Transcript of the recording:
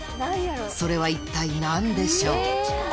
それは一体何でしょう？